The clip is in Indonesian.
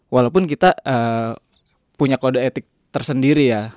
walaupun kita punya kode etik tersendiri ya